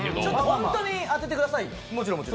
ホントに当ててくださいよ。